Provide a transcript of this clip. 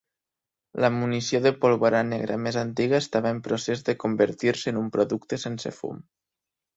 La munició de pólvora negra més antiga estava en procés de convertir-se en un producte sense fum.